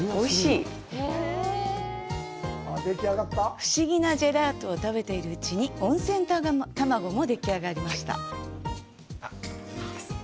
不思議なジェラートを食べているうちに温泉卵もでき上がりました。